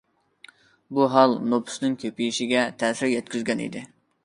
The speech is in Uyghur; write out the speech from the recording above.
بۇ ھال نوپۇسنىڭ كۆپىيىشىگە تەسىر يەتكۈزگەن ئىدى.